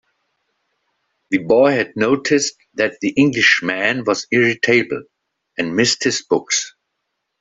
The boy had noticed that the Englishman was irritable, and missed his books.